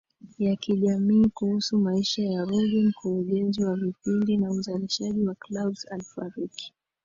ya kijamii kuhusu maisha ya Ruge mkurugenzi wa vipindi na uzalishaji wa Clouds alifariki